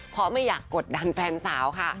เพราะไม่อยากกดดันแฟนสาวค่ะ